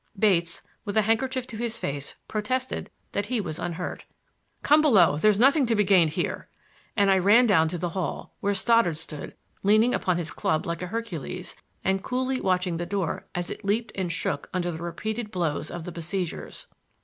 Bates, with a handkerchief to his face, protested that he was unhurt. "Come below; there's nothing to be gained here,"—. and I ran down to the hall, where Stoddard stood, leaning upon his club like a Hercules and coolly watching the door as it leaped and shook under the repeated blows of the besiegers.